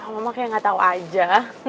mama kayak gak tau aja